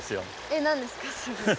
えっ何ですか？